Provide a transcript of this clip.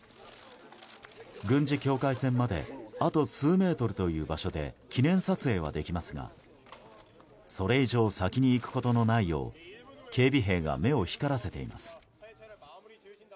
軍事境界線まであと数メートルという場所で記念撮影はできますがそれ以上先に行くことのないよう警備兵が目を光らせています。